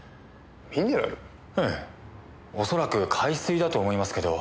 ええ恐らく海水だと思いますけど。